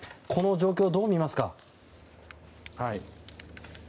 この状況、どう見ますか。